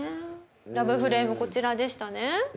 ラブフレームこちらでしたね。